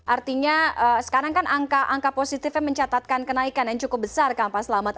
artinya sekarang kan angka positifnya mencatatkan kenaikan yang cukup besar kan pak selamat